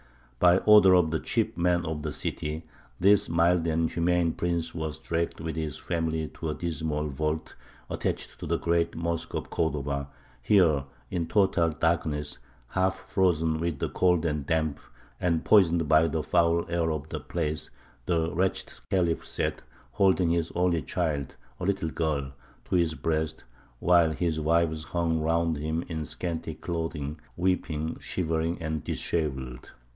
By order of the chief men of the city, this mild and humane prince was dragged with his family to a dismal vault attached to the great mosque of Cordova. Here, in total darkness, half frozen with the cold and damp, and poisoned by the foul air of the place, the wretched Khalif sat, holding his only child, a little girl, to his breast, while his wives hung round him in scanty clothing, weeping, shivering, and dishevelled.